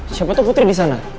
siapa tuh putri di sana